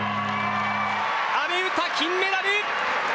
阿部詩、金メダル。